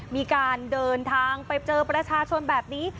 มีการเดินทางไปเจอประชาชนแบบนี้